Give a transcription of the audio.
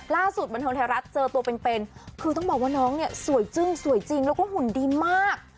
บันเทิงไทยรัฐเจอตัวเป็นคือต้องบอกว่าน้องเนี่ยสวยจึ้งสวยจริงแล้วก็หุ่นดีมาก